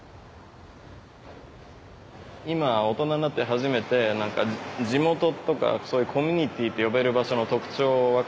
今大人になって初めて地元とかコミュニティーって呼べる場所の特徴分かってきて